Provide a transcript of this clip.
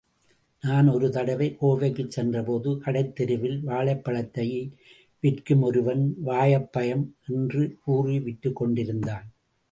நான் ஒருதடவை கோவைக்கு சென்றபோது—கடைத்தெருவில்—வாழைப்பழத்தை விற்கும் ஒருவன், வாயப்பயம் —என்றே கூறி விற்றுக் கொண்டிருந்தான்.